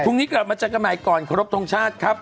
คุณนี้กลับมาจัดกรรมนายก่อนขอรับทรงชาติครับ